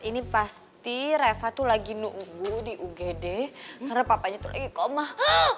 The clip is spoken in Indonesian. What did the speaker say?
ini pasti reva tuh lagi nunggu di ugd karena papanya tuh lagi komah